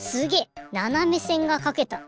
ななめせんがかけた。